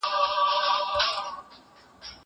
زه به اوږده موده ليک لوستی وم!!